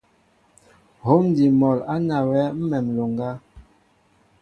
Hǒm ádí mol á nawyɛέ ḿmem nloŋga.